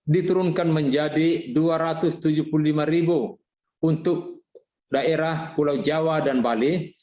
diturunkan menjadi rp dua ratus tujuh puluh lima untuk daerah pulau jawa dan bali